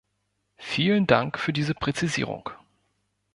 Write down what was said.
Vielen Dank für diese Präzisierung.